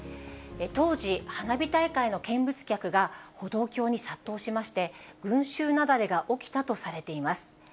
当時、花火大会の見物客が歩道橋に殺到しまして、群衆雪崩が起きたとされています。